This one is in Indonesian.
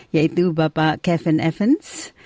yaitu bapak kevin evans